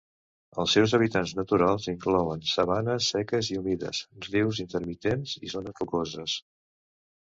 Els seus hàbitats naturals inclouen sabanes seques i humides, rius intermitents i zones rocoses.